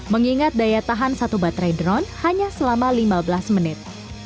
mengingat daya tahan satu baterai drone hanya selama lima belas menit